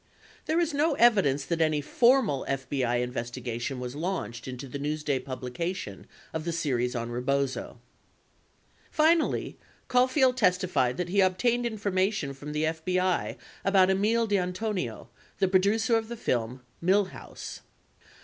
There is no evidence that any formal FBI investigation was launched into the Newsday publication of the series on Rebozo. 96 Finally, Caulfield testified that he obtained information from the FBI about Emile DeAntonio, the producer of the film, "Millhouse."